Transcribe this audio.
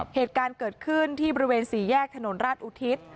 เหตุการณ์เกิดขึ้นที่บริเวณสี่แยกถนนราชอุทิศ